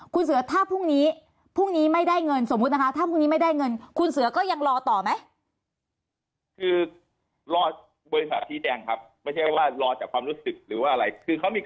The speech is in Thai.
คุณเสือถ้าพรุ่งนี้พรุ่งนี้ไม่ได้เงินสมมุตินะคะถ้าพรุ่งนี้ไม่ได้เงินคุณเสือก็ยังรอต่อไหม